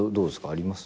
あります？